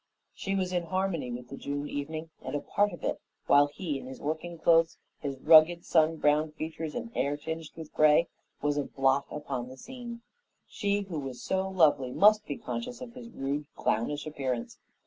She was in harmony with the June evening and a part of it, while he, in his working clothes, his rugged, sun browned features and hair tinged with gray, was a blot upon the scene. She who was so lovely, must be conscious of his rude, clownish appearance.